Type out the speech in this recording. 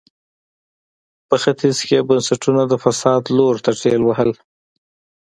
په ختیځ کې یې بنسټونه د فساد لور ته ټېل وهل.